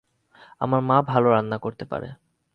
আমার মা ভালো রান্না করতে পারে।